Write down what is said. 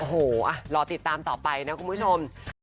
โอ้โหรอติดตามต่อไปนะคุณผู้ชม